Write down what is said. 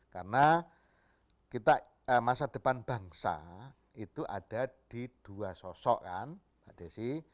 karena kita masa depan bangsa itu ada di dua sosok kan pak desi